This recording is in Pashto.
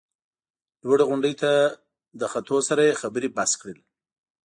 لوړې غونډۍ ته له ختو سره یې خبرې بس کړل.